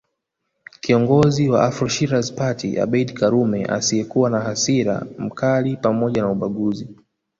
Kiongozi wa Afro Shirazi Party Abeid karume asiyekuwa na hasira mkali pzmoja na ubaguzi